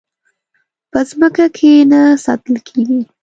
په ځمکه کې نه ساتل کېږي.